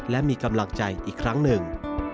และมีกำลังใจอีกครั้งหนึ่ง